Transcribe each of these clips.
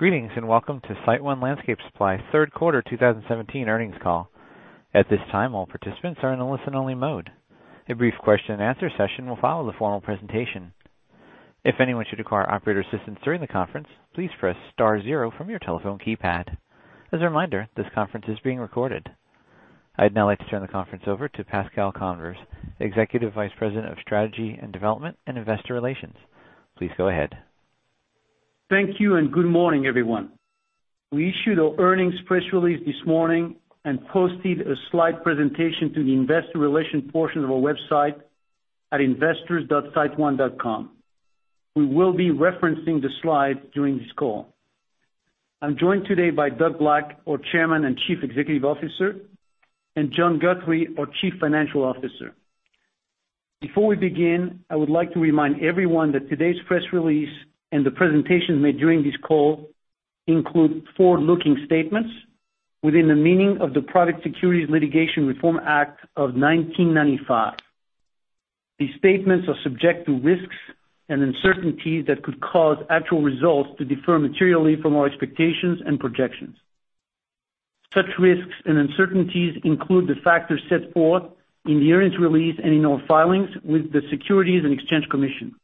Greetings, and welcome to SiteOne Landscape Supply third quarter 2017 earnings call. At this time, all participants are in a listen-only mode. A brief question and answer session will follow the formal presentation. If anyone should require operator assistance during the conference, please press star zero from your telephone keypad. As a reminder, this conference is being recorded. I'd now like to turn the conference over to Pascal Convers, Executive Vice President of Strategy and Development and Investor Relations. Please go ahead. Thank you. Good morning, everyone. We issued our earnings press release this morning and posted a slide presentation to the investor relations portion of our website at investors.siteone.com. I'm joined today by Doug Black, our Chairman and Chief Executive Officer, and John Guthrie, our Chief Financial Officer. Before we begin, I would like to remind everyone that today's press release and the presentations made during this call include forward-looking statements within the meaning of the Private Securities Litigation Reform Act of 1995. These statements are subject to risks and uncertainties that could cause actual results to differ materially from our expectations and projections. Such risks and uncertainties include the factors set forth in the earnings release and in our filings with the Securities and Exchange Commission.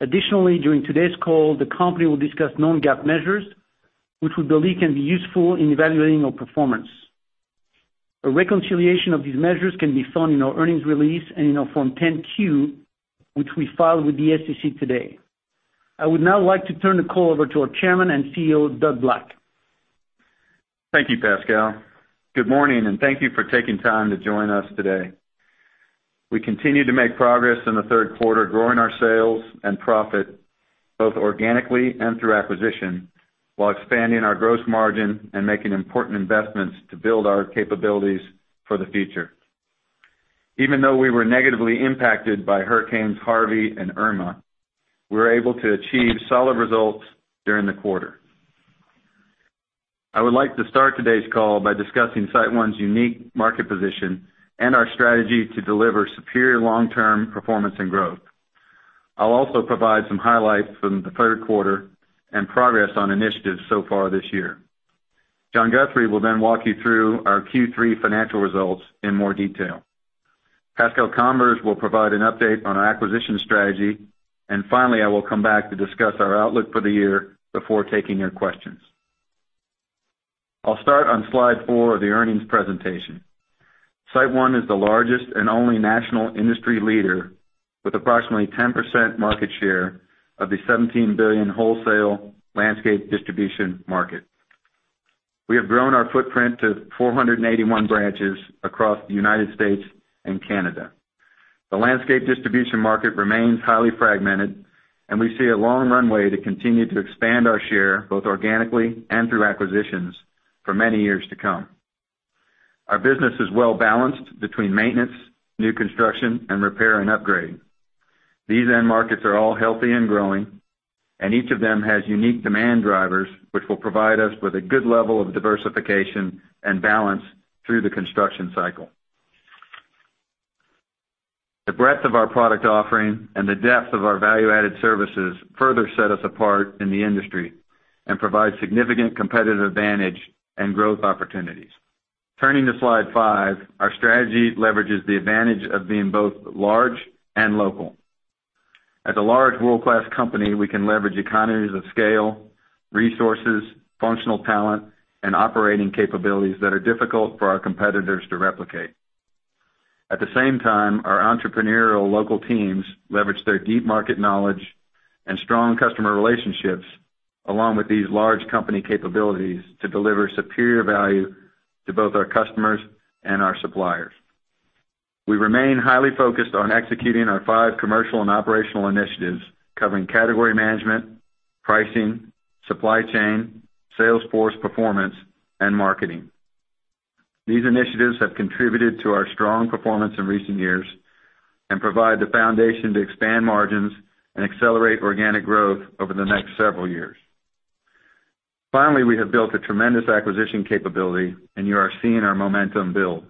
Additionally, during today's call, the company will discuss non-GAAP measures, which we believe can be useful in evaluating our performance. A reconciliation of these measures can be found in our earnings release and in our Form 10-Q, which we filed with the SEC today. I would now like to turn the call over to our Chairman and CEO, Doug Black. Thank you, Pascal. Good morning. Thank you for taking time to join us today. We continue to make progress in the third quarter, growing our sales and profit both organically and through acquisition, while expanding our gross margin and making important investments to build our capabilities for the future. Even though we were negatively impacted by Hurricanes Harvey and Irma, we were able to achieve solid results during the quarter. I would like to start today's call by discussing SiteOne's unique market position and our strategy to deliver superior long-term performance and growth. I'll also provide some highlights from the third quarter and progress on initiatives so far this year. John Guthrie will then walk you through our Q3 financial results in more detail. Pascal Convers will provide an update on our acquisition strategy. Finally, I will come back to discuss our outlook for the year before taking your questions. I'll start on slide four of the earnings presentation. SiteOne is the largest and only national industry leader with approximately 10% market share of the $17 billion wholesale landscape distribution market. We have grown our footprint to 481 branches across the U.S. and Canada. The landscape distribution market remains highly fragmented. We see a long runway to continue to expand our share, both organically and through acquisitions, for many years to come. Our business is well-balanced between maintenance, new construction, and repair and upgrading. These end markets are all healthy and growing. Each of them has unique demand drivers, which will provide us with a good level of diversification and balance through the construction cycle. The breadth of our product offering. The depth of our value-added services further set us apart in the industry and provide significant competitive advantage and growth opportunities. Turning to slide five, our strategy leverages the advantage of being both large and local. As a large world-class company, we can leverage economies of scale, resources, functional talent, and operating capabilities that are difficult for our competitors to replicate. At the same time, our entrepreneurial local teams leverage their deep market knowledge and strong customer relationships along with these large company capabilities to deliver superior value to both our customers and our suppliers. We remain highly focused on executing our five commercial and operational initiatives, covering category management, pricing, supply chain, sales force performance, and marketing. These initiatives have contributed to our strong performance in recent years and provide the foundation to expand margins and accelerate organic growth over the next several years. Finally, we have built a tremendous acquisition capability. You are seeing our momentum build.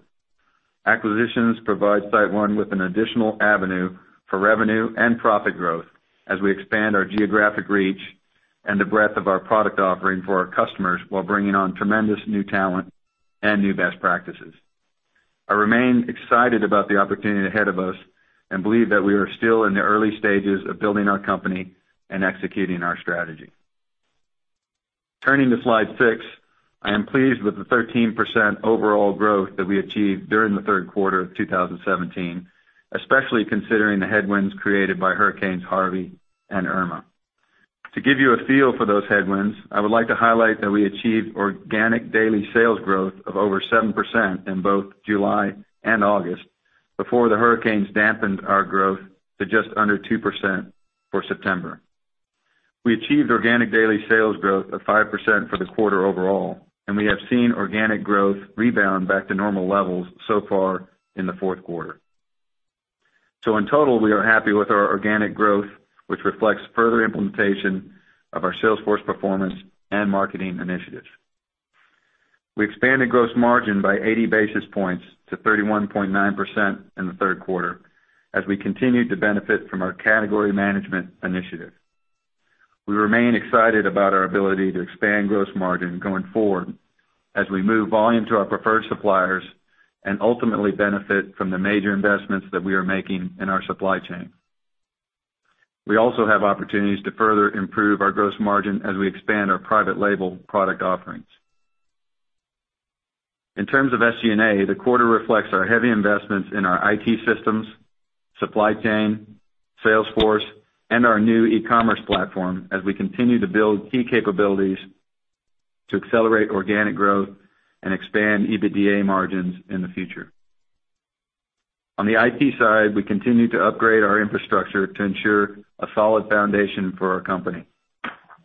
Acquisitions provide SiteOne with an additional avenue for revenue and profit growth as we expand our geographic reach and the breadth of our product offering for our customers while bringing on tremendous new talent and new best practices. I remain excited about the opportunity ahead of us and believe that we are still in the early stages of building our company and executing our strategy. Turning to slide six, I am pleased with the 13% overall growth that we achieved during the third quarter of 2017, especially considering the headwinds created by Hurricane Harvey and Hurricane Irma. To give you a feel for those headwinds, I would like to highlight that we achieved organic daily sales growth of over 7% in both July and August before the hurricanes dampened our growth to just under 2% for September. We achieved organic daily sales growth of 5% for the quarter overall. We have seen organic growth rebound back to normal levels so far in the fourth quarter. In total, we are happy with our organic growth, which reflects further implementation of our sales force performance and marketing initiatives. We expanded gross margin by 80 basis points to 31.9% in the third quarter as we continued to benefit from our category management initiative. We remain excited about our ability to expand gross margin going forward as we move volume to our preferred suppliers and ultimately benefit from the major investments that we are making in our supply chain. We also have opportunities to further improve our gross margin as we expand our private label product offerings. In terms of SG&A, the quarter reflects our heavy investments in our IT systems, supply chain, sales force, and our new e-commerce platform as we continue to build key capabilities to accelerate organic growth and expand EBITDA margins in the future. On the IT side, we continue to upgrade our infrastructure to ensure a solid foundation for our company.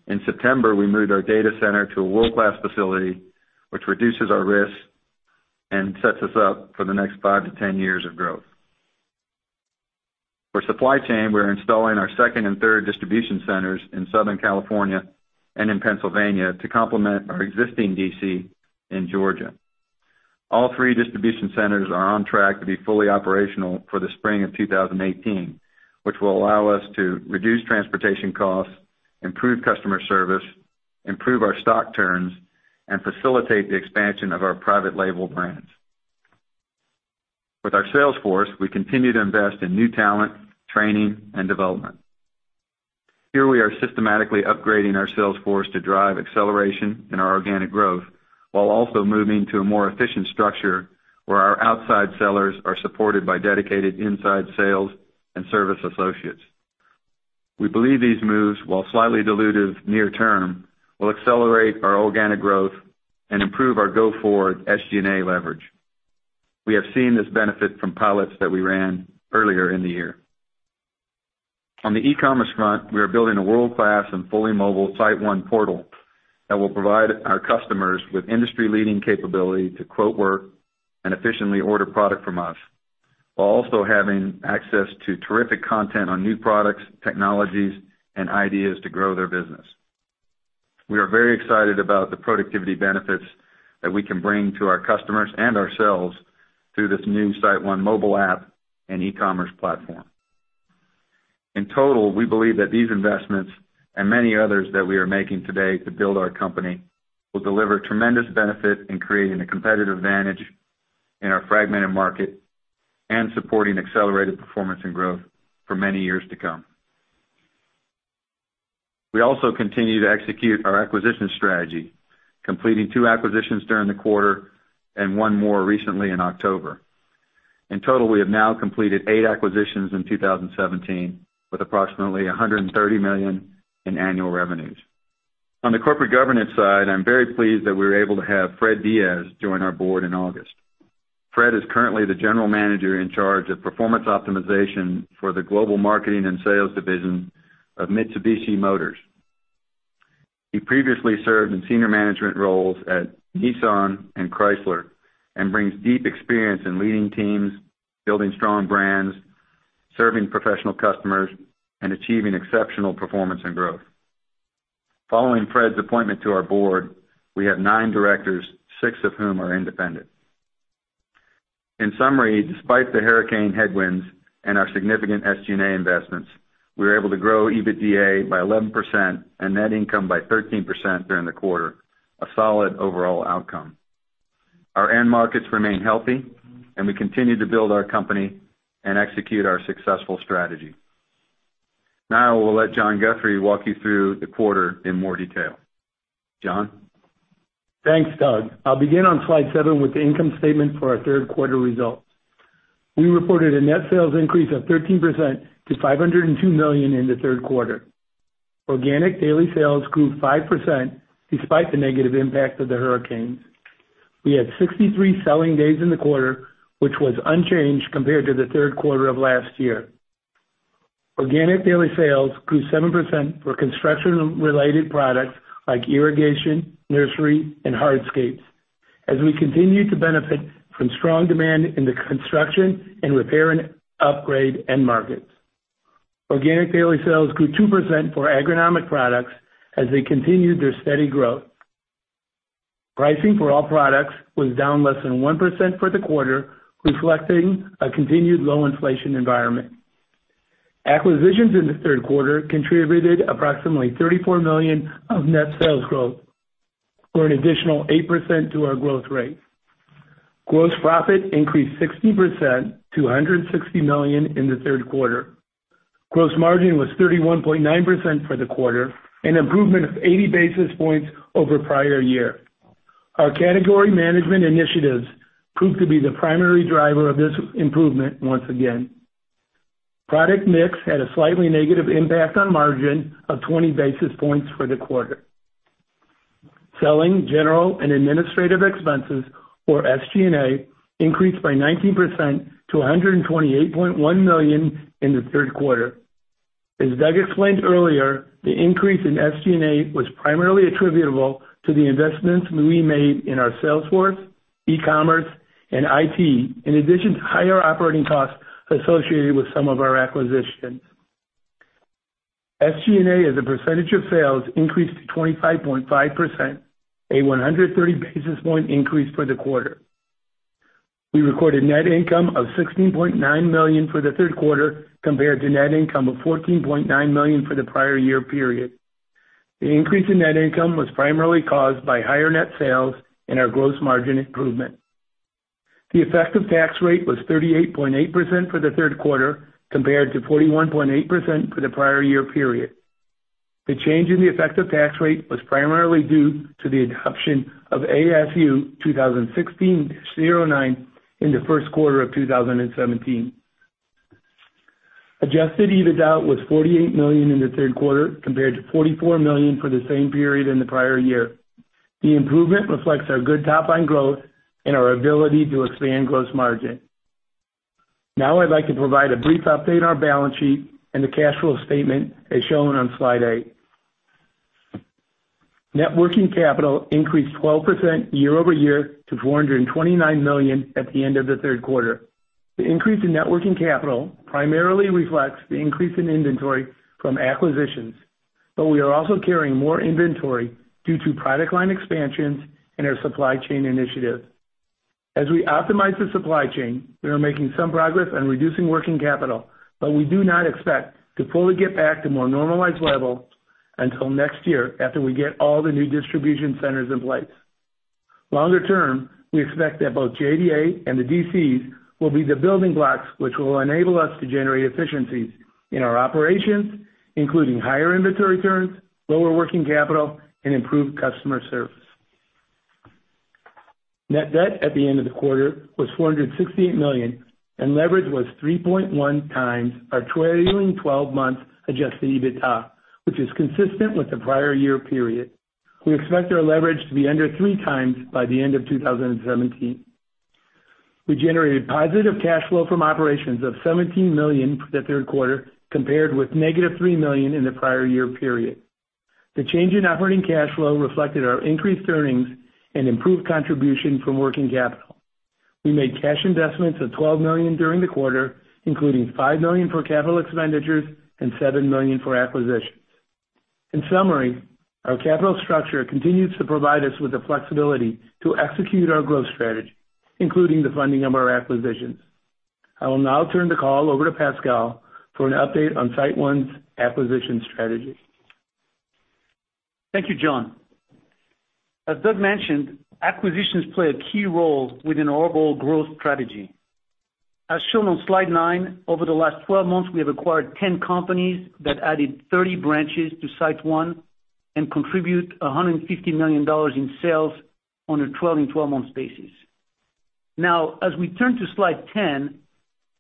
In September, we moved our data center to a world-class facility, which reduces our risk and sets us up for the next five to 10 years of growth. For supply chain, we're installing our second and third distribution centers in Southern California and in Pennsylvania to complement our existing DC in Georgia. All three distribution centers are on track to be fully operational for the spring of 2018, which will allow us to reduce transportation costs, improve customer service, improve our stock turns, and facilitate the expansion of our private label brands. With our sales force, we continue to invest in new talent, training, and development. Here, we are systematically upgrading our sales force to drive acceleration in our organic growth while also moving to a more efficient structure where our outside sellers are supported by dedicated inside sales and service associates. We believe these moves, while slightly dilutive near term, will accelerate our organic growth and improve our go-forward SG&A leverage. We have seen this benefit from pilots that we ran earlier in the year. On the e-commerce front, we are building a world-class and fully mobile SiteOne portal that will provide our customers with industry-leading capability to quote work and efficiently order product from us, while also having access to terrific content on new products, technologies, and ideas to grow their business. We are very excited about the productivity benefits that we can bring to our customers and ourselves through this new SiteOne mobile app and e-commerce platform. In total, we believe that these investments and many others that we are making today to build our company will deliver tremendous benefit in creating a competitive advantage in our fragmented market and supporting accelerated performance and growth for many years to come. We also continue to execute our acquisition strategy, completing two acquisitions during the quarter and one more recently in October. In total, we have now completed eight acquisitions in 2017, with approximately $130 million in annual revenues. On the corporate governance side, I'm very pleased that we were able to have Fred Diaz join our board in August. Fred is currently the general manager in charge of performance optimization for the global marketing and sales division of Mitsubishi Motors. He previously served in senior management roles at Nissan and Chrysler and brings deep experience in leading teams, building strong brands, serving professional customers, and achieving exceptional performance and growth. Following Fred's appointment to our board, we have nine directors, six of whom are independent. In summary, despite the hurricane headwinds and our significant SG&A investments, we were able to grow EBITDA by 11% and net income by 13% during the quarter, a solid overall outcome. Our end markets remain healthy. We continue to build our company and execute our successful strategy. Now, I will let John Guthrie walk you through the quarter in more detail. John? Thanks, Doug. I'll begin on slide seven with the income statement for our third quarter results. We reported a net sales increase of 13% to $502 million in the third quarter. Organic daily sales grew 5% despite the negative impact of the hurricanes. We had 63 selling days in the quarter, which was unchanged compared to the third quarter of last year. Organic daily sales grew 7% for construction-related products like irrigation, nursery, and hardscapes, as we continue to benefit from strong demand in the construction and repair and upgrade end markets. Organic daily sales grew 2% for agronomic products as they continued their steady growth. Pricing for all products was down less than 1% for the quarter, reflecting a continued low inflation environment. Acquisitions in the third quarter contributed approximately $34 million of net sales growth, or an additional 8% to our growth rate. Gross profit increased 16% to $160 million in the third quarter. Gross margin was 31.9% for the quarter, an improvement of 80 basis points over prior year. Our category management initiatives proved to be the primary driver of this improvement once again. Product mix had a slightly negative impact on margin of 20 basis points for the quarter. Selling, general, and administrative expenses, or SG&A, increased by 19% to $128.1 million in the third quarter. As Doug explained earlier, the increase in SG&A was primarily attributable to the investments we made in our sales force, e-commerce, and IT, in addition to higher operating costs associated with some of our acquisitions. SG&A as a percentage of sales increased to 25.5%, a 130 basis point increase for the quarter. We recorded net income of $16.9 million for the third quarter compared to net income of $14.9 million for the prior year period. The increase in net income was primarily caused by higher net sales and our gross margin improvement. The effective tax rate was 38.8% for the third quarter compared to 41.8% for the prior year period. The change in the effective tax rate was primarily due to the adoption of ASU 2016-09 in the first quarter of 2017. Adjusted EBITDA was $48 million in the third quarter compared to $44 million for the same period in the prior year. The improvement reflects our good top-line growth and our ability to expand gross margin. Now I'd like to provide a brief update on our balance sheet and the cash flow statement as shown on slide eight. Net working capital increased 12% year-over-year to $429 million at the end of the third quarter. The increase in net working capital primarily reflects the increase in inventory from acquisitions, but we are also carrying more inventory due to product line expansions and our supply chain initiative. As we optimize the supply chain, we are making some progress on reducing working capital, but we do not expect to fully get back to more normalized levels until next year after we get all the new distribution centers in place. Longer term, we expect that both JDA and the DCs will be the building blocks which will enable us to generate efficiencies in our operations, including higher inventory turns, lower working capital, and improved customer service. Net debt at the end of the quarter was $468 million, and leverage was 3.1x our trailing 12 months adjusted EBITDA, which is consistent with the prior year period. We expect our leverage to be under 3x by the end of 2017. We generated positive cash flow from operations of $17 million for the third quarter compared with negative $3 million in the prior year period. The change in operating cash flow reflected our increased earnings and improved contribution from working capital. We made cash investments of $12 million during the quarter, including $5 million for capital expenditures and $7 million for acquisitions. In summary, our capital structure continues to provide us with the flexibility to execute our growth strategy, including the funding of our acquisitions. I will now turn the call over to Pascal for an update on SiteOne's acquisition strategy. Thank you, John. As Doug mentioned, acquisitions play a key role within our overall growth strategy. As shown on slide nine, over the last 12 months, we have acquired 10 companies that added 30 branches to SiteOne and contribute $150 million in sales on a trailing 12 months basis. As we turn to slide 10,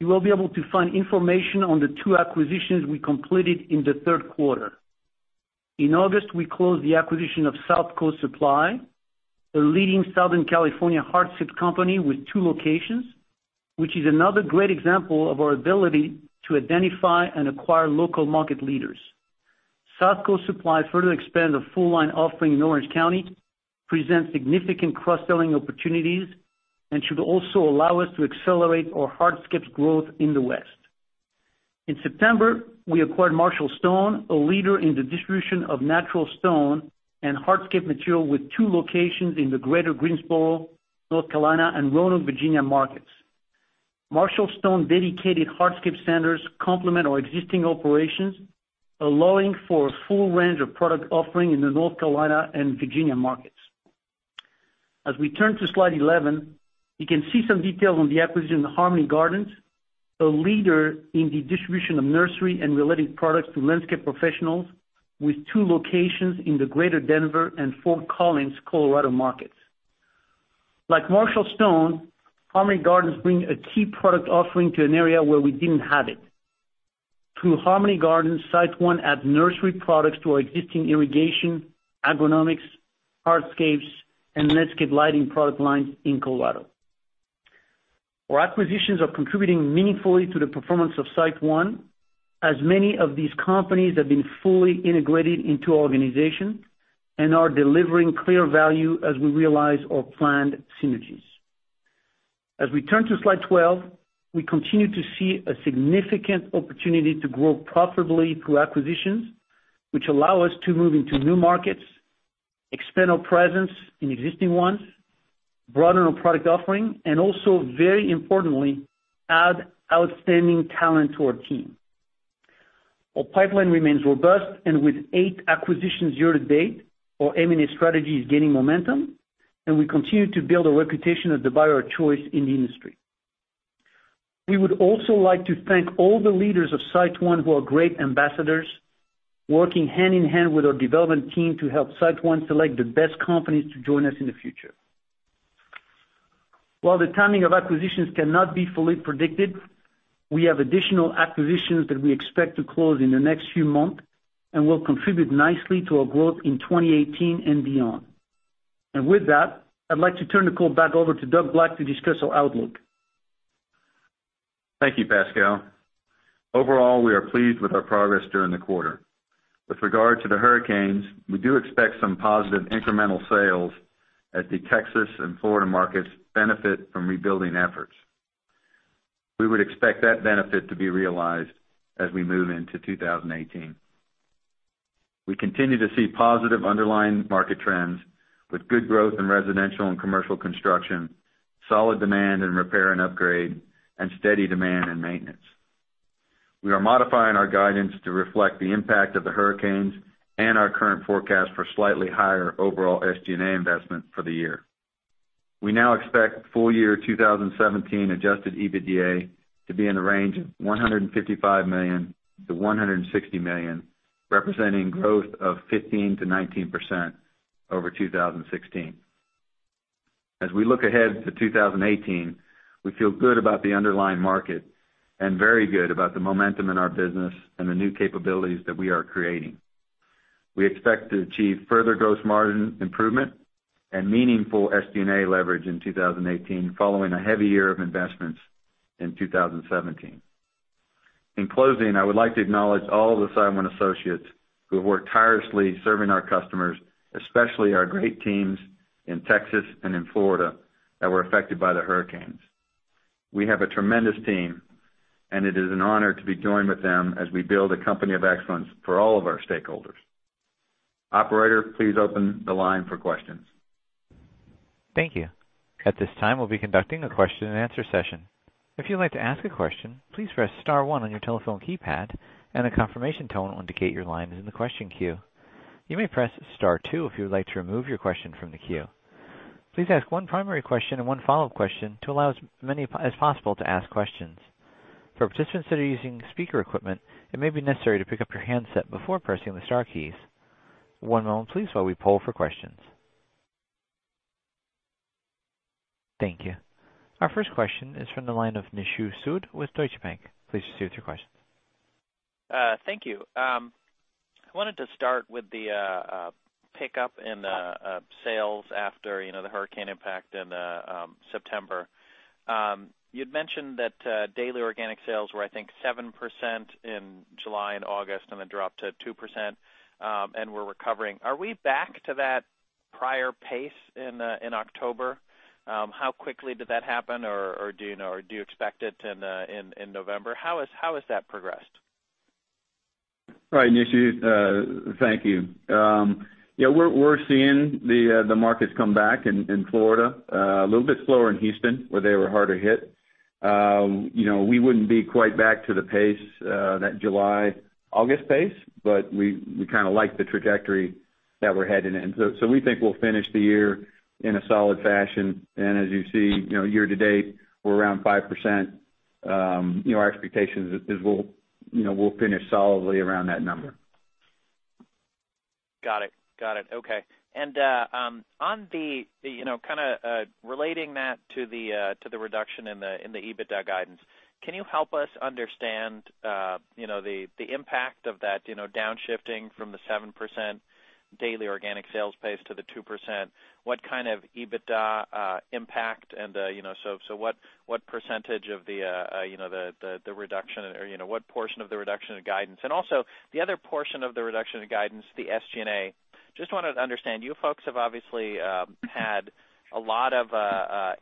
you will be able to find information on the two acquisitions we completed in the third quarter. In August, we closed the acquisition of South Coast Supply, a leading Southern California hardscape company with two locations, which is another great example of our ability to identify and acquire local market leaders. South Coast Supply further expand the full line offering in Orange County, present significant cross-selling opportunities, and should also allow us to accelerate our hardscapes growth in the West. In September, we acquired Marshall Stone, a leader in the distribution of natural stone and hardscape material with two locations in the greater Greensboro, North Carolina, and Roanoke, Virginia, markets. Marshall Stone dedicated hardscape centers complement our existing operations, allowing for a full range of product offering in the North Carolina and Virginia markets. As we turn to slide 11, you can see some details on the acquisition of Harmony Gardens, a leader in the distribution of nursery and related products to landscape professionals with two locations in the greater Denver and Fort Collins, Colorado, markets. Like Marshall Stone, Harmony Gardens bring a key product offering to an area where we didn't have it. Through Harmony Gardens, SiteOne add nursery products to our existing irrigation, agronomics, hardscapes, and landscape lighting product lines in Colorado. Our acquisitions are contributing meaningfully to the performance of SiteOne, as many of these companies have been fully integrated into our organization and are delivering clear value as we realize our planned synergies. As we turn to slide twelve, we continue to see a significant opportunity to grow profitably through acquisitions which allow us to move into new markets, expand our presence in existing ones, broaden our product offering, and also very importantly, add outstanding talent to our team. Our pipeline remains robust and with eight acquisitions year to date, our M&A strategy is gaining momentum and we continue to build a reputation as the buyer of choice in the industry. We would also like to thank all the leaders of SiteOne who are great ambassadors, working hand in hand with our development team to help SiteOne select the best companies to join us in the future. While the timing of acquisitions cannot be fully predicted, we have additional acquisitions that we expect to close in the next few months and will contribute nicely to our growth in 2018 and beyond. With that, I'd like to turn the call back over to Doug Black to discuss our outlook. Thank you, Pascal. Overall, we are pleased with our progress during the quarter. With regard to the hurricanes, we do expect some positive incremental sales as the Texas and Florida markets benefit from rebuilding efforts. We would expect that benefit to be realized as we move into 2018. We continue to see positive underlying market trends with good growth in residential and commercial construction, solid demand in repair and upgrade, and steady demand in maintenance. We are modifying our guidance to reflect the impact of the hurricanes and our current forecast for slightly higher overall SG&A investment for the year. We now expect full year 2017 adjusted EBITDA to be in the range of $155 million-$160 million, representing growth of 15%-19% over 2016. As we look ahead to 2018, we feel good about the underlying market and very good about the momentum in our business and the new capabilities that we are creating. We expect to achieve further gross margin improvement and meaningful SG&A leverage in 2018, following a heavy year of investments in 2017. In closing, I would like to acknowledge all the SiteOne associates who have worked tirelessly serving our customers, especially our great teams in Texas and in Florida that were affected by the hurricanes. We have a tremendous team, and it is an honor to be joined with them as we build a company of excellence for all of our stakeholders. Operator, please open the line for questions. Thank you. At this time, we'll be conducting a question and answer session. If you'd like to ask a question, please press *1 on your telephone keypad, and a confirmation tone will indicate your line is in the question queue. You may press *2 if you would like to remove your question from the queue. Please ask one primary question and one follow-up question to allow as many as possible to ask questions. For participants that are using speaker equipment, it may be necessary to pick up your handset before pressing the star keys. One moment please while we poll for questions. Thank you. Our first question is from the line of Nishu Sood with Deutsche Bank. Please proceed with your question. Thank you. I wanted to start with the pickup in the sales after the hurricane impact in September. You'd mentioned that daily organic sales were, I think, 7% in July and August, then dropped to 2%, and were recovering. Are we back to that prior pace in October? How quickly did that happen or do you expect it in November? How has that progressed? Right, Nishu. Thank you. We're seeing the markets come back in Florida. A little bit slower in Houston, where they were harder hit. We wouldn't be quite back to the pace, that July, August pace, but we kind of like the trajectory that we're heading in. We think we'll finish the year in a solid fashion. As you see, year to date, we're around 5%. Our expectation is we'll finish solidly around that number. Got it. Okay. Relating that to the reduction in the EBITDA guidance, can you help us understand the impact of that downshifting from the 7% daily organic sales pace to the 2%? What kind of EBITDA impact and what percentage of the reduction or what portion of the reduction in guidance? Also, the other portion of the reduction in guidance, the SG&A. Just wanted to understand. You folks have obviously had a lot of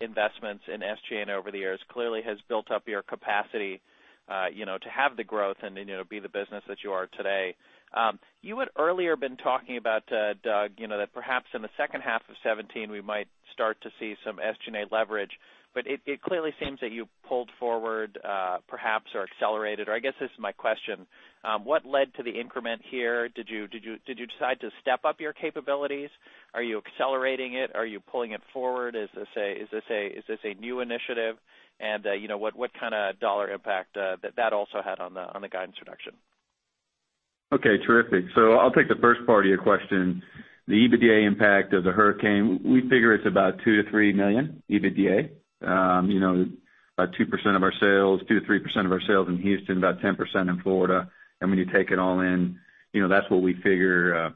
investments in SG&A over the years. Clearly has built up your capacity to have the growth and be the business that you are today. You had earlier been talking about, Doug, that perhaps in the second half of 2017, we might start to see some SG&A leverage, it clearly seems that you pulled forward, perhaps, or accelerated or I guess this is my question: What led to the increment here? Did you decide to step up your capabilities? Are you accelerating it? Are you pulling it forward? Is this a new initiative, what kind of dollar impact that also had on the guidance reduction? Okay, terrific. I'll take the first part of your question. The EBITDA impact of the hurricane, we figure it's about $2 million-$3 million EBITDA. About 2% of our sales, 2%-3% of our sales in Houston, about 10% in Florida. When you take it all in, that's what we figure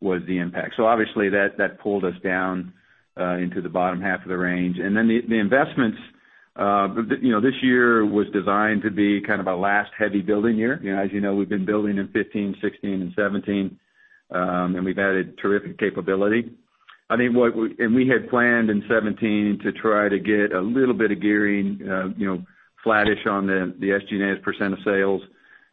was the impact. Obviously that pulled us down into the bottom half of the range. Then the investments. This year was designed to be kind of our last heavy building year. As you know, we've been building in 2015, 2016, and 2017. We've added terrific capability. We had planned in 2017 to try to get a little bit of gearing flattish on the SG&A as a percent of sales.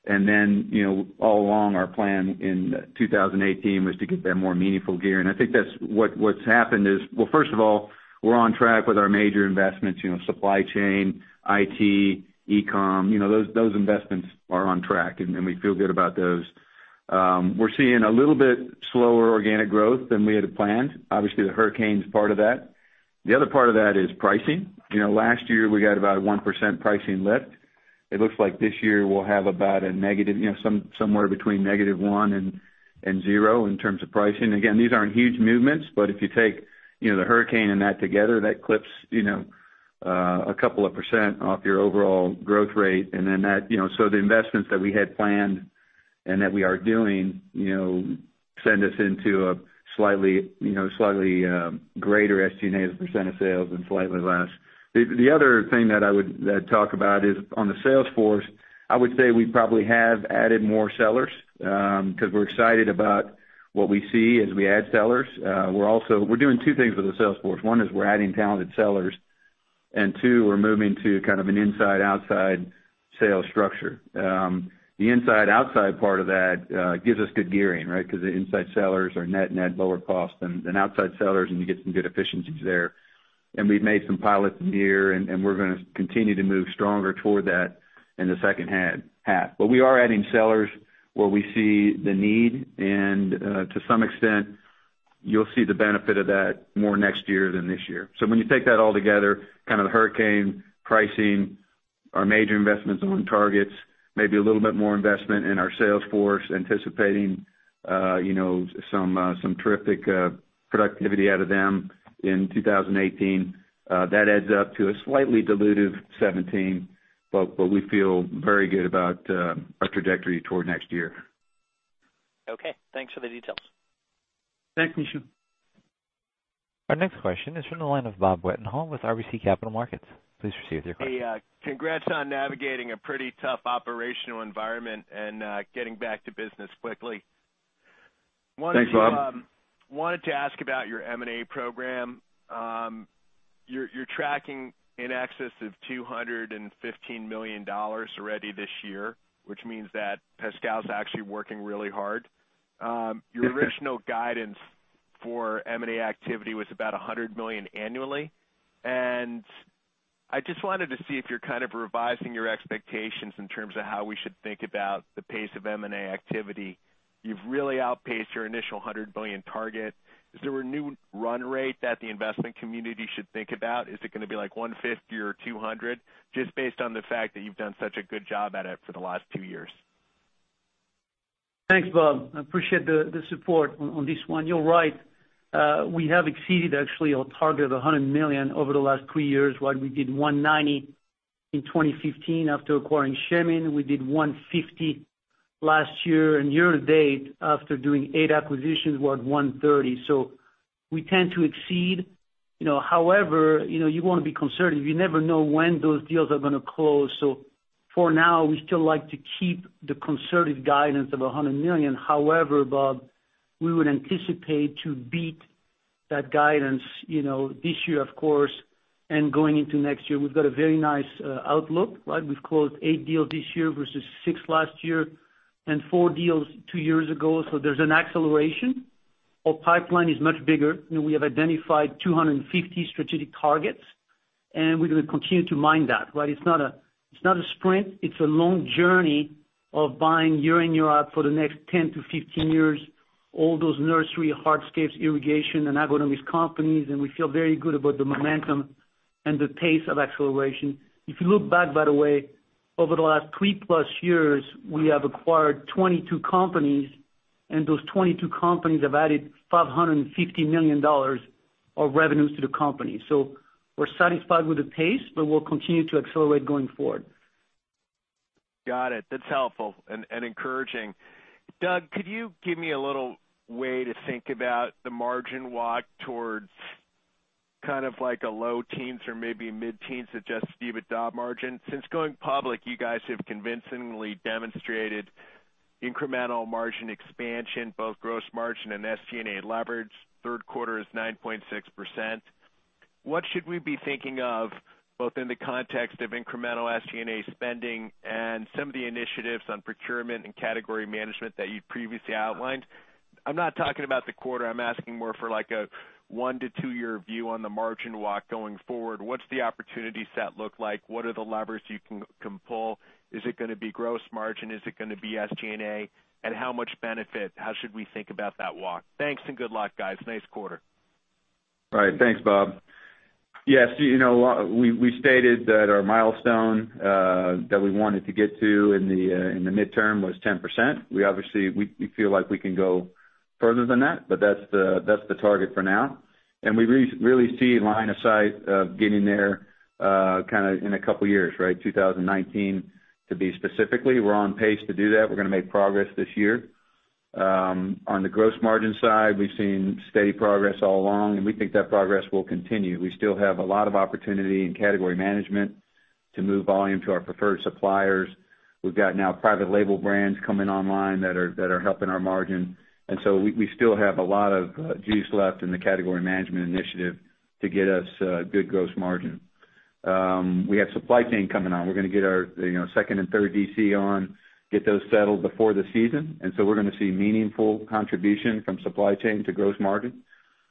Then, all along our plan in 2018 was to get that more meaningful gear. I think that what's happened is, well, first of all, we're on track with our major investments, supply chain, IT, e-com. Those investments are on track, we feel good about those. We're seeing a little bit slower organic growth than we had planned. Obviously, the hurricane's part of that. The other part of that is pricing. Last year, we got about a 1% pricing lift. It looks like this year we'll have somewhere between -1% and 0% in terms of pricing. Again, these aren't huge movements, but if you take the hurricane and that together, that clips a couple of percent off your overall growth rate. The investments that we had planned and that we are doing send us into a slightly greater SG&A as a percent of sales and slightly less. We probably have added more sellers, because we're excited about what we see as we add sellers. We're doing two things with the sales force. One is we're adding talented sellers, and two, we're moving to an inside/outside sales structure. The inside/outside part of that gives us good gearing, because the inside sellers are net lower cost than outside sellers, and you get some good efficiencies there. We've made some pilots this year, and we're going to continue to move stronger toward that in the second half. We are adding sellers where we see the need, and to some extent, you'll see the benefit of that more next year than this year. When you take that all together, the hurricane, pricing, our major investments on targets, maybe a little bit more investment in our sales force, anticipating some terrific productivity out of them in 2018, that adds up to a slightly dilutive 2017, but we feel very good about our trajectory toward next year. Okay, thanks for the details. Thanks, Nishu. Our next question is from the line of Robert Wetenhall with RBC Capital Markets. Please proceed with your question. Hey, congrats on navigating a pretty tough operational environment and getting back to business quickly. Thanks, Bob. Wanted to ask about your M&A program. You're tracking in excess of $215 million already this year, which means that Pascal's actually working really hard. Your original guidance for M&A activity was about $100 million annually. I just wanted to see if you're revising your expectations in terms of how we should think about the pace of M&A activity. You've really outpaced your initial $100 million target. Is there a new run rate that the investment community should think about? Is it going to be like 150 or 200, just based on the fact that you've done such a good job at it for the last two years? Thanks, Bob. I appreciate the support on this one. You're right. We have exceeded, actually, our target of $100 million over the last three years. We did 190 in 2015 after acquiring Shemin. We did 150 last year. Year to date, after doing eight acquisitions, we're at 130. We tend to exceed. However, you want to be conservative. You never know when those deals are going to close. For now, we still like to keep the conservative guidance of $100 million. However, Bob, we would anticipate to beat that guidance this year, of course, and going into next year. We've got a very nice outlook. We've closed eight deals this year versus six last year and four deals two years ago, there's an acceleration. Our pipeline is much bigger. We have identified 250 strategic targets, we're going to continue to mine that. It's not a sprint. It's a long journey of buying year in, year out for the next 10-15 years, all those nursery hardscapes, irrigation and agronomics companies, we feel very good about the momentum and the pace of acceleration. If you look back, by the way, over the last three plus years, we have acquired 22 companies, those 22 companies have added $550 million of revenues to the company. We're satisfied with the pace, we'll continue to accelerate going forward. Got it. That's helpful and encouraging. Doug, could you give me a little way to think about the margin walk towards like a low teens or maybe mid-teens adjusted EBITDA margin? Since going public, you guys have convincingly demonstrated incremental margin expansion, both gross margin and SG&A leverage. Third quarter is 9.6%. What should we be thinking of, both in the context of incremental SG&A spending and some of the initiatives on procurement and category management that you previously outlined? I'm not talking about the quarter. I'm asking more for like a one to two-year view on the margin walk going forward. What's the opportunity set look like? What are the levers you can pull? Is it going to be gross margin? Is it going to be SG&A? How much benefit? How should we think about that walk? Thanks and good luck, guys. Nice quarter. All right. Thanks, Bob. Yes, we stated that our milestone that we wanted to get to in the midterm was 10%. We feel like we can go further than that's the target for now. We really see line of sight of getting there in a couple of years, 2019 to be specifically. We're on pace to do that. We're going to make progress this year. On the gross margin side, we've seen steady progress all along, we think that progress will continue. We still have a lot of opportunity in category management to move volume to our preferred suppliers. We've got now private label brands coming online that are helping our margin. We still have a lot of juice left in the category management initiative to get us good gross margin. We have supply chain coming on. We're going to get our 2nd and 3rd D.C. on, get those settled before the season. We're going to see meaningful contribution from supply chain to gross margin.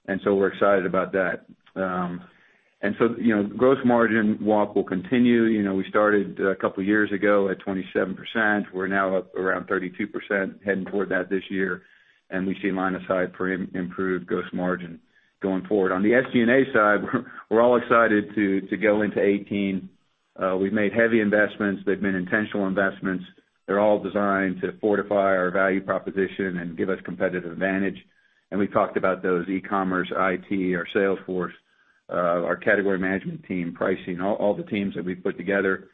We're excited about that. The gross margin walk will continue. We started a couple of years ago at 27%. We're now up around 32%, heading toward that this year, and we see line of sight for improved gross margin going forward. On the SG&A side, we're all excited to go into 2018. We've made heavy investments. They've been intentional investments. They're all designed to fortify our value proposition and give us competitive advantage. We've talked about those, e-commerce, IT, our sales force, our category management team, pricing, all the teams that we've put together.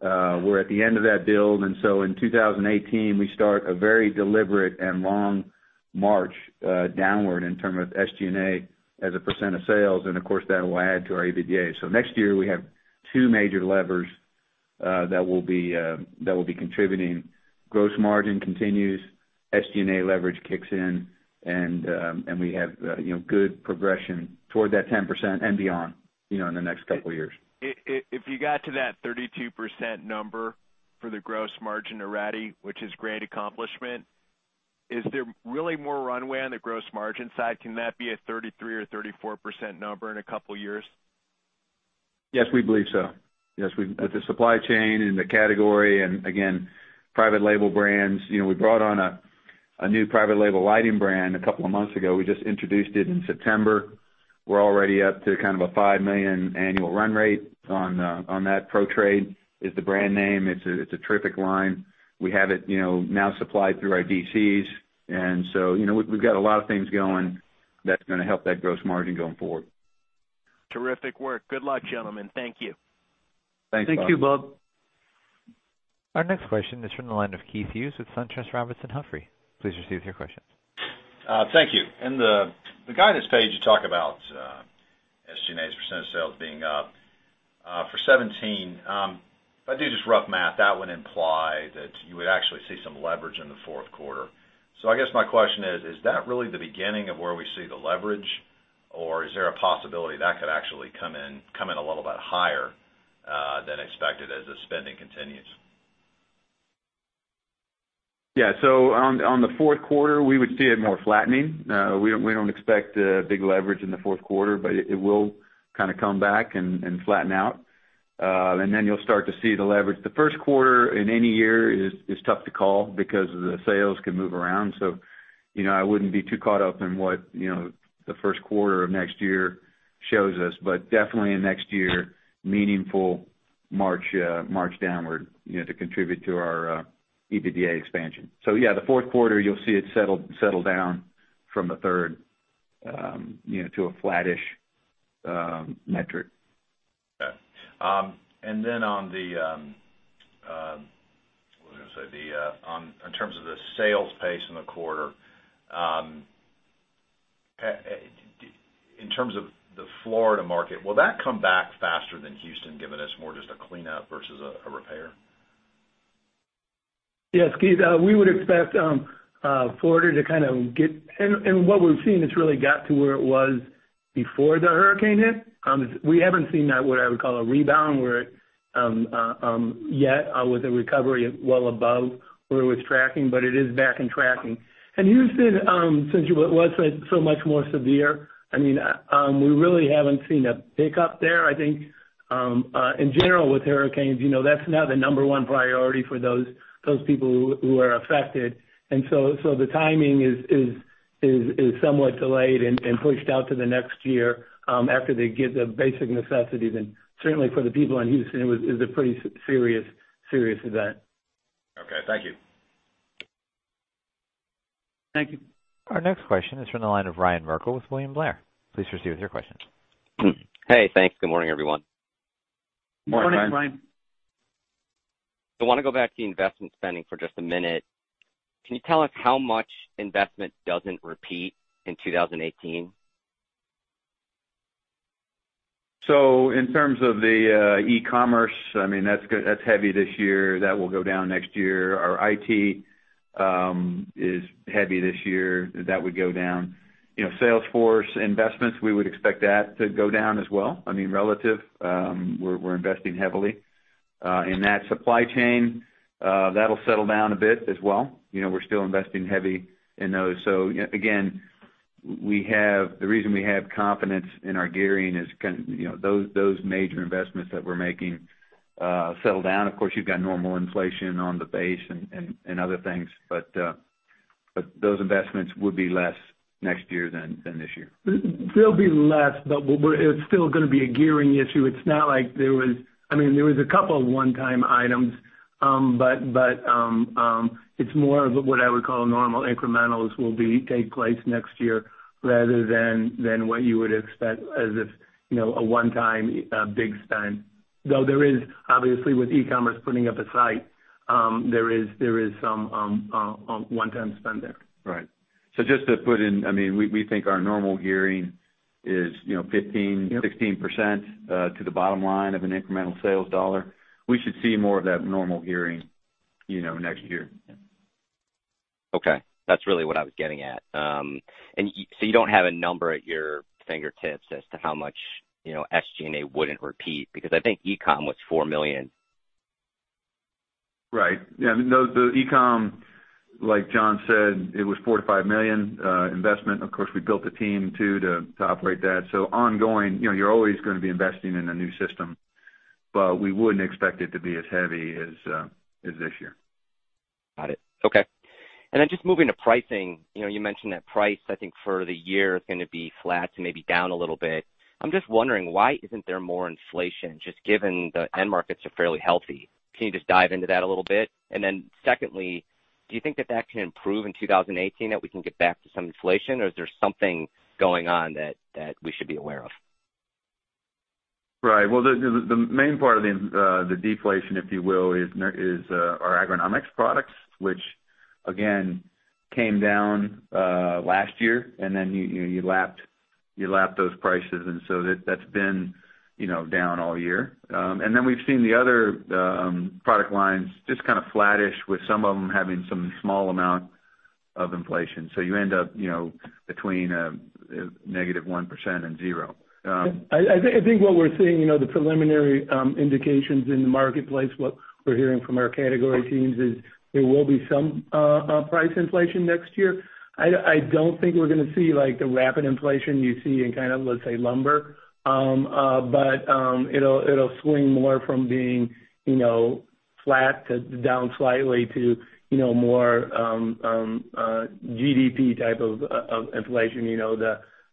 We're at the end of that build. In 2018, we start a very deliberate and long march downward in terms of SG&A as a % of sales. Of course, that will add to our EBITDA. Next year, we have two major levers that will be contributing. Gross margin continues, SG&A leverage kicks in. We have good progression toward that 10% and beyond in the next couple of years. If you got to that 32% number for the gross margin already, which is great accomplishment, is there really more runway on the gross margin side? Can that be a 33% or 34% number in a couple of years? Yes, we believe so. Yes. With the supply chain and the category, again, private label brands. We brought on a new private label lighting brand a couple of months ago. We just introduced it in September. We're already up to kind of a $5 million annual run rate on that. Pro-Trade is the brand name. It's a terrific line. We have it now supplied through our D.C.s. We've got a lot of things going that's going to help that gross margin going forward. Terrific work. Good luck, gentlemen. Thank you. Thanks, Bob. Thank you, Bob. Our next question is from the line of Keith Hughes with SunTrust Robinson Humphrey. Please proceed with your question. Thank you. In the guidance page, you talk about SG&A's % of sales being up. For 2017, if I do just rough math, that would imply that you would actually see some leverage in the fourth quarter. I guess my question is that really the beginning of where we see the leverage, or is there a possibility that could actually come in a little bit higher than expected as the spending continues? Yeah. On the fourth quarter, we would see it more flattening. We don't expect a big leverage in the fourth quarter, but it will kind of come back and flatten out. Then you'll start to see the leverage. The first quarter in any year is tough to call because the sales can move around. I wouldn't be too caught up in what the first quarter of next year shows us, but definitely in next year, meaningful march downward to contribute to our EBITDA expansion. Yeah, the fourth quarter, you'll see it settle down from the third to a flattish metric. Okay. In terms of the sales pace in the quarter, in terms of the Florida market, will that come back faster than Houston, given it's more just a cleanup versus a repair? Yes, Keith. We would expect Florida to kind of get what we've seen, it's really got to where it was before the hurricane hit. We haven't seen that, what I would call a rebound, where it yet, with a recovery well above where it was tracking, but it is back in tracking. Houston, since it wasn't so much more severe, we really haven't seen a pickup there. I think, in general, with hurricanes, that's not the number one priority for those people who are affected. The timing is somewhat delayed and pushed out to the next year, after they get the basic necessities. Certainly, for the people in Houston, it was a pretty serious event. Okay. Thank you. Thank you. Our next question is from the line of Ryan Merkel with William Blair. Please proceed with your question. Hey, thanks. Good morning, everyone. Good morning, Ryan. Morning, Ryan. I want to go back to the investment spending for just a minute. Can you tell us how much investment doesn't repeat in 2018? In terms of the e-commerce, that's heavy this year. That will go down next year. Our IT is heavy this year. That would go down. Salesforce investments, we would expect that to go down as well. Relative, we're investing heavily in that supply chain. That'll settle down a bit as well. We're still investing heavy in those. Again, the reason we have confidence in our gearing is those major investments that we're making settle down. Of course, you've got normal inflation on the base and other things. Those investments would be less next year than this year. They'll be less, but it's still going to be a gearing issue. It's not like there was a couple of one-time items. It's more of what I would call normal incrementals will take place next year rather than what you would expect as if a one-time, big spend. Though there is, obviously, with e-commerce putting up a site, there is some one-time spend there. Right. Just to put in, we think our normal gearing is 15- Yep 16% to the bottom line of an incremental sales dollar. We should see more of that normal gearing next year. Okay. That's really what I was getting at. You don't have a number at your fingertips as to how much SG&A wouldn't repeat, because I think e-com was $4 million. Right. Yeah, no, the e-com, like John said, it was $4 million to $5 million investment. Of course, we built a team too, to operate that. Ongoing, you're always going to be investing in a new system, but we wouldn't expect it to be as heavy as this year. Got it. Okay. Just moving to pricing. You mentioned that price, I think for the year, is going to be flat to maybe down a little bit. I'm just wondering, why isn't there more inflation, just given the end markets are fairly healthy? Can you just dive into that a little bit? Secondly, do you think that that can improve in 2018, that we can get back to some inflation, or is there something going on that we should be aware of? Right. Well, the main part of the deflation, if you will, is our agronomics products, which again, came down last year. You lapped those prices, that's been down all year. We've seen the other product lines just kind of flattish with some of them having some small amount of inflation. You end up between negative 1% and 0. I think what we're seeing, the preliminary indications in the marketplace, what we're hearing from our category teams is there will be some price inflation next year. I don't think we're going to see the rapid inflation you see in kind of, let's say, lumber. It'll swing more from being flat to down slightly to more GDP type of inflation,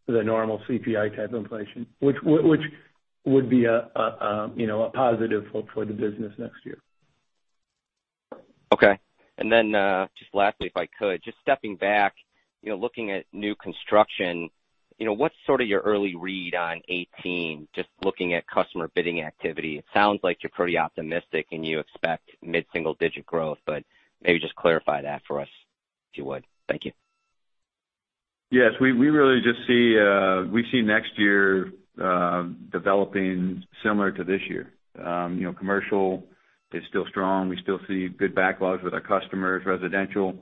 the normal CPI type inflation, which would be a positive for the business next year. Okay. Then, just lastly, if I could, just stepping back, looking at new construction, what's sort of your early read on 2018, just looking at customer bidding activity? It sounds like you're pretty optimistic and you expect mid-single digit growth, but maybe just clarify that for us, if you would. Thank you. Yes, we really just see next year developing similar to this year. Commercial is still strong. We still see good backlogs with our customers. Residential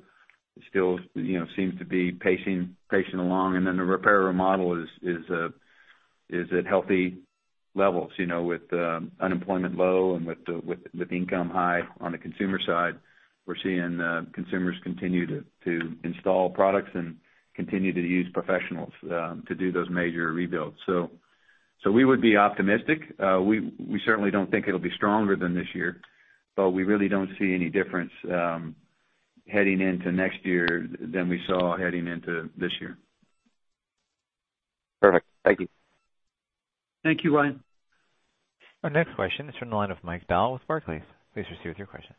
still seems to be pacing along, and then the repair/remodel is at healthy levels with unemployment low and with income high on the consumer side. We're seeing consumers continue to install products and continue to use professionals to do those major rebuilds. We would be optimistic. We certainly don't think it'll be stronger than this year, but we really don't see any difference heading into next year than we saw heading into this year. Perfect. Thank you. Thank you, Ryan. Our next question is from the line of Mike Dahl with Barclays. Please proceed with your question.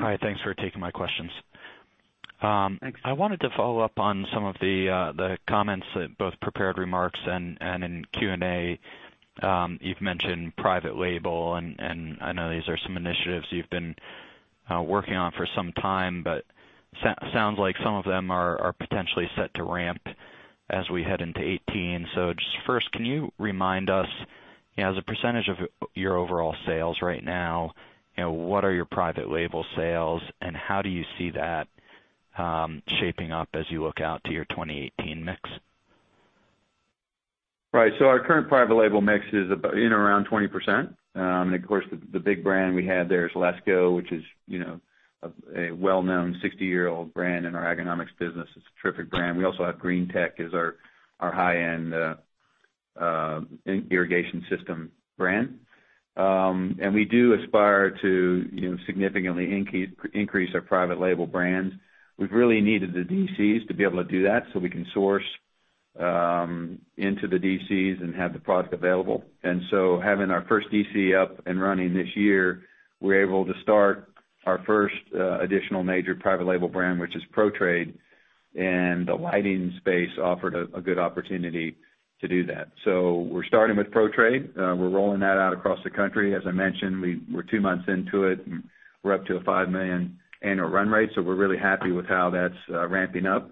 Hi. Thanks for taking my questions. Thanks. I wanted to follow up on some of the comments that both prepared remarks and in Q&A, you've mentioned private label, and I know these are some initiatives you've been working on for some time, but sounds like some of them are potentially set to ramp as we head into 2018. Just first, can you remind us, as a percentage of your overall sales right now, what are your private label sales and how do you see that shaping up as you look out to your 2018 mix? Right. Our current private label mix is in around 20%. Of course, the big brand we have there is LESCO, which is a well-known 60-year-old brand in our agronomics business. It's a terrific brand. We also have GreenTech as our high-end irrigation system brand. We do aspire to significantly increase our private label brands. We've really needed the DCs to be able to do that so we can source into the DCs and have the product available. Having our first DC up and running this year, we're able to start our first additional major private label brand, which is Pro-Trade, and the lighting space offered a good opportunity to do that. We're starting with Pro-Trade. We're rolling that out across the country. As I mentioned, we're two months into it and we're up to a $5 million annual run rate, so we're really happy with how that's ramping up.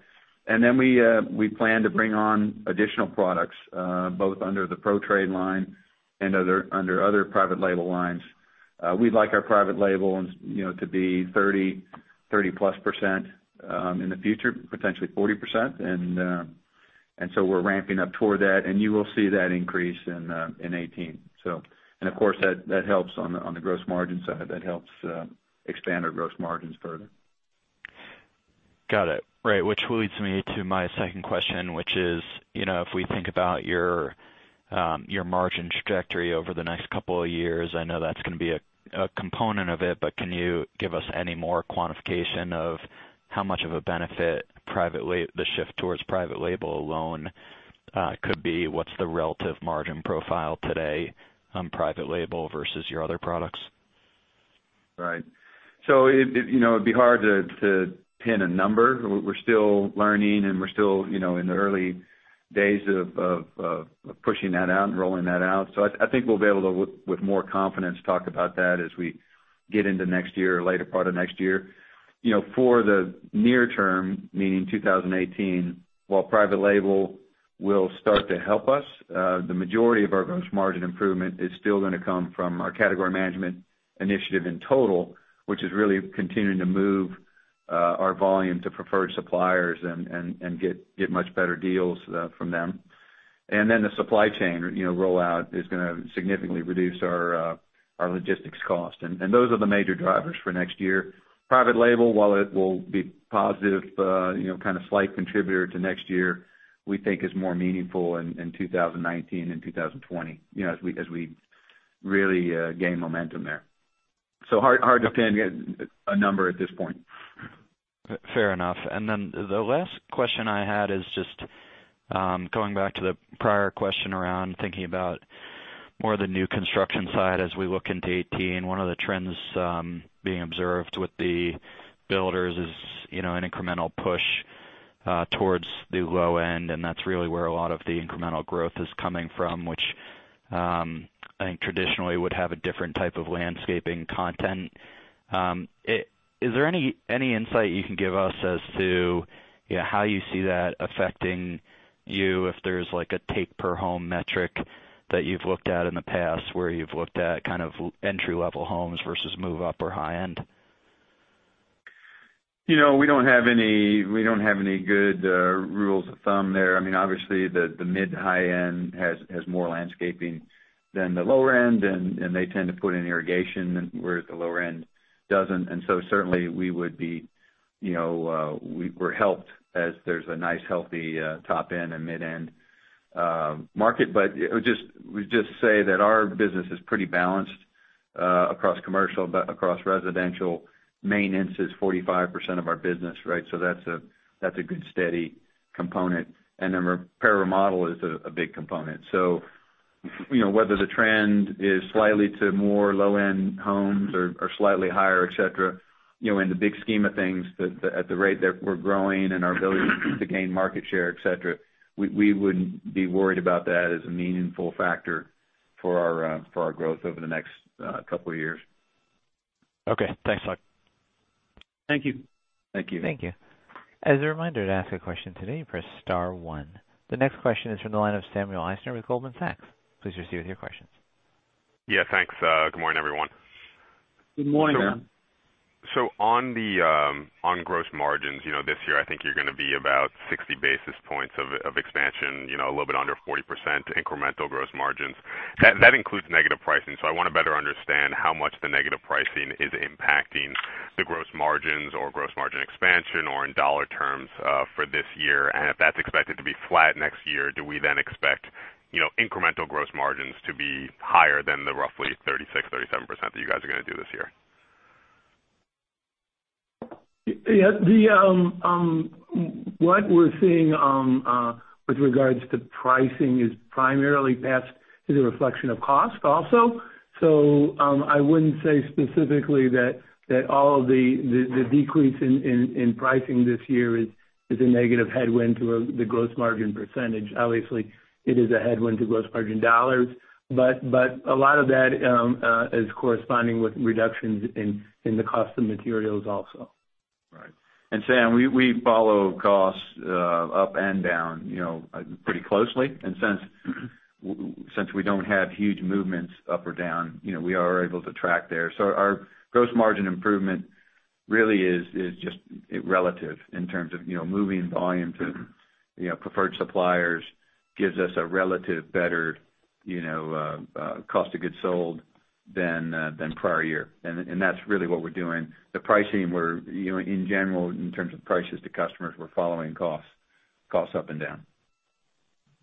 Then we plan to bring on additional products, both under the Pro-Trade line and under other private label lines. We'd like our private label to be 30-plus% in the future, potentially 40%. So we're ramping up toward that, and you will see that increase in 2018. Of course, that helps on the gross margin side. That helps expand our gross margins further. Got it. Right, which leads me to my second question, which is, if we think about your margin trajectory over the next couple of years, I know that's going to be a component of it, but can you give us any more quantification of how much of a benefit the shift towards private label alone could be? What's the relative margin profile today on private label versus your other products? Right. It'd be hard to pin a number. We're still learning and we're still in the early days of pushing that out and rolling that out. I think we'll be able to, with more confidence, talk about that as we get into next year or later part of next year. For the near term, meaning 2018, while private label will start to help us, the majority of our gross margin improvement is still going to come from our Category Management initiative in total, which is really continuing to move our volume to preferred suppliers and get much better deals from them. Then the supply chain rollout is going to significantly reduce our logistics cost. Those are the major drivers for next year. Private label, while it will be positive, kind of slight contributor to next year, we think is more meaningful in 2019 and 2020, as we really gain momentum there. Hard to pin a number at this point. Fair enough. The last question I had is just going back to the prior question around thinking about more the new construction side as we look into 2018. One of the trends being observed with the builders is an incremental push towards the low end, and that's really where a lot of the incremental growth is coming from, which I think traditionally would have a different type of landscaping content. Is there any insight you can give us as to how you see that affecting you, if there's a take-per-home metric that you've looked at in the past where you've looked at entry-level homes versus move up or high end? We don't have any good rules of thumb there. Obviously, the mid-high end has more landscaping than the lower end, and they tend to put in irrigation, whereas the lower end doesn't. Certainly we're helped as there's a nice healthy top end and mid end market. I would just say that our business is pretty balanced across commercial, across residential. Maintenance is 45% of our business, so that's a good steady component. Repair and remodel is a big component. Whether the trend is slightly to more low-end homes or slightly higher, et cetera, in the big scheme of things, at the rate that we're growing and our ability to gain market share, et cetera, we wouldn't be worried about that as a meaningful factor for our growth over the next couple of years. Okay, thanks a lot. Thank you. Thank you. As a reminder, to ask a question today, press *1. The next question is from the line of Samuel Eisner with Goldman Sachs. Please proceed with your questions. Yeah, thanks. Good morning, everyone. Good morning. On gross margins this year, I think you're going to be about 60 basis points of expansion, a little bit under 40% incremental gross margins. That includes negative pricing. I want to better understand how much the negative pricing is impacting the gross margins or gross margin expansion or in dollar terms for this year. If that's expected to be flat next year, do we then expect incremental gross margins to be higher than the roughly 36%, 37% that you guys are going to do this year? What we're seeing with regards to pricing is primarily that is a reflection of cost also. I wouldn't say specifically that all the decrease in pricing this year is a negative headwind to the gross margin percentage. Obviously, it is a headwind to gross margin dollars, but a lot of that is corresponding with reductions in the cost of materials also. Right. Sam, we follow costs up and down pretty closely. Since we don't have huge movements up or down, we are able to track there. Our gross margin improvement really is just relative in terms of moving volume to preferred suppliers, gives us a relative better cost of goods sold than prior year. That's really what we're doing. In general, in terms of prices to customers, we're following costs up and down.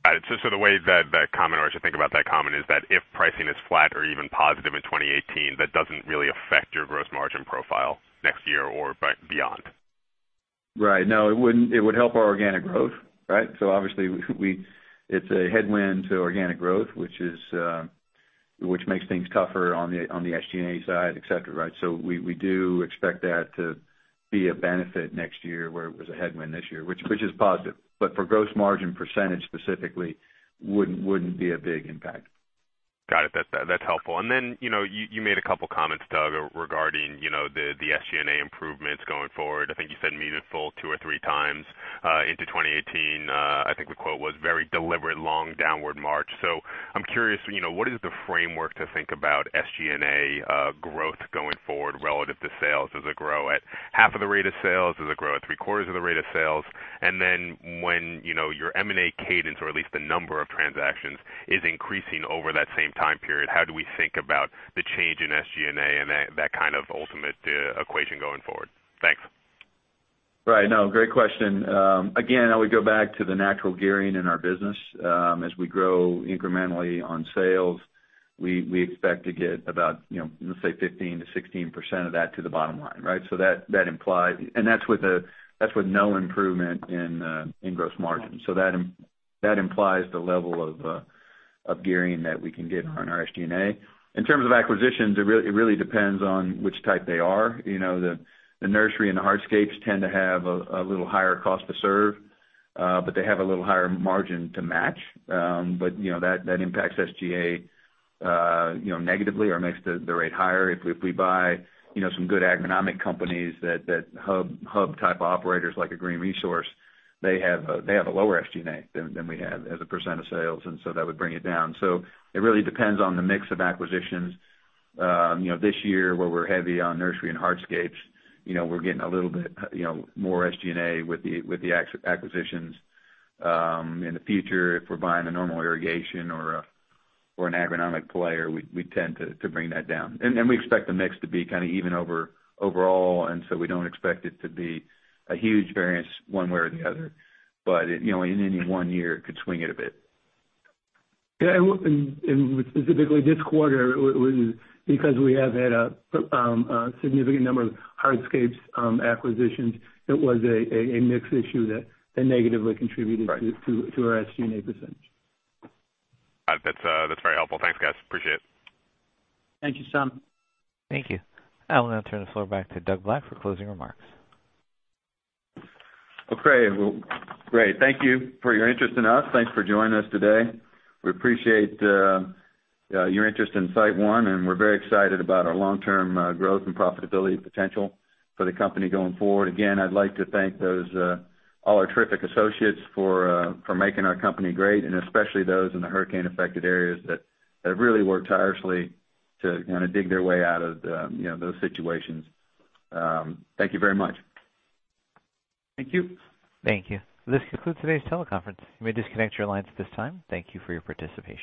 Got it. The way that I should think about that comment is that if pricing is flat or even positive in 2018, that doesn't really affect your gross margin profile next year or beyond. Right. No, it would help our organic growth, right? Obviously it's a headwind to organic growth, which makes things tougher on the SG&A side, et cetera. We do expect that to be a benefit next year, where it was a headwind this year, which is positive. For gross margin percentage specifically, wouldn't be a big impact. Got it. That's helpful. You made a couple comments, Doug, regarding the SG&A improvements going forward. I think you said meaningful two or three times into 2018. I think the quote was very deliberate, long downward march. I'm curious, what is the framework to think about SG&A growth going forward relative to sales? Does it grow at half of the rate of sales? Does it grow at three quarters of the rate of sales? When your M&A cadence, or at least the number of transactions, is increasing over that same time period, how do we think about the change in SG&A and that kind of ultimate equation going forward? Thanks. Right. No, great question. Again, I would go back to the natural gearing in our business. As we grow incrementally on sales, we expect to get about, let's say 15%-16% of that to the bottom line. That's with no improvement in gross margin. That implies the level of gearing that we can get on our SG&A. In terms of acquisitions, it really depends on which type they are. The nursery and the hardscapes tend to have a little higher cost to serve, but they have a little higher margin to match. That impacts SG&A negatively or makes the rate higher. If we buy some good agronomic companies, that hub type operators like a GreenResource, they have a lower SG&A than we have as a percent of sales, that would bring it down. It really depends on the mix of acquisitions. This year where we're heavy on nursery and hardscapes, we're getting a little bit more SG&A with the acquisitions. In the future, if we're buying a normal irrigation or an agronomic player, we tend to bring that down. We expect the mix to be kind of even overall, we don't expect it to be a huge variance one way or the other. In any one year, it could swing it a bit. Yeah. Specifically this quarter, because we have had a significant number of hardscapes acquisitions, it was a mix issue that negatively contributed to our SG&A percentage. Got it. That's very helpful. Thanks, guys. Appreciate it. Thank you, Sam. Thank you. I will now turn the floor back to Doug Black for closing remarks. Okay, great. Thank you for your interest in us. Thanks for joining us today. We appreciate your interest in SiteOne, and we're very excited about our long-term growth and profitability potential for the company going forward. Again, I'd like to thank all our terrific associates for making our company great, and especially those in the hurricane-affected areas that have really worked tirelessly to dig their way out of those situations. Thank you very much. Thank you. Thank you. This concludes today's teleconference. You may disconnect your lines at this time. Thank you for your participation.